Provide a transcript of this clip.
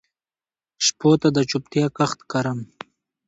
شپو ته د چوپتیا کښت کرم